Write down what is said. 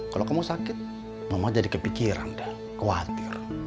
kalau kamu sakit mama jadi kepikiran dan khawatir